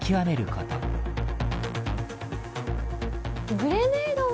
グレネードは。